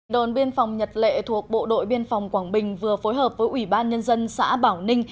đồn biên phòng nhật lệ thuộc bộ đội biên phòng quảng bình vừa phối hợp với ủy ban nhân dân xã bảo ninh